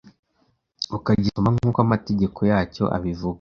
ukagisoma nkuko amategeko yacyo abivuga